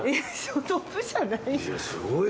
トップじゃない。